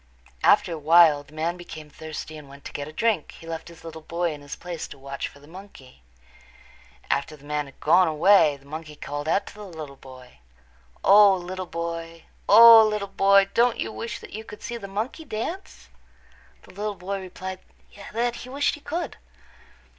After a while the man became thirsty and went to get a drink. He left his little boy in his place to watch for the monkey. After the man had gone away the monkey called out to the little boy, "O, little boy, O, little boy, don't you wish that you could see the monkey dance?" The little boy replied that he wished he could.